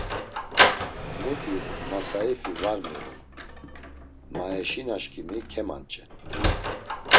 Muti masaifi var miğun, maeşinaşǩimi kemanç̌en.